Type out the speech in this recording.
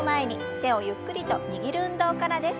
手をゆっくりと握る運動からです。